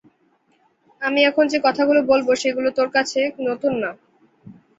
আমি এখন যে কথাগুলো বলবো সেগুলো তোর কাছে নতুন না।